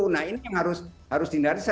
nah ini yang harus dihindari